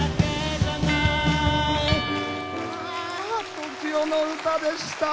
ＴＯＫＩＯの歌でした。